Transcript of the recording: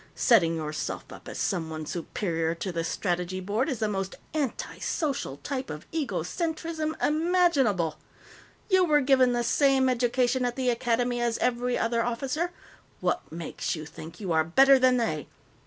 Setting yourself up as someone superior to the Strategy Board is the most antisocial type of egocentrism imaginable. You were given the same education at the Academy as every other officer; what makes you think you are better than they?